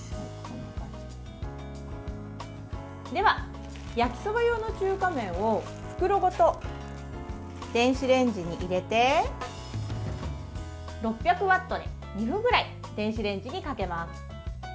では、焼きそば用の中華麺を袋ごと電子レンジに入れて６００ワットで２分ぐらい電子レンジにかけます。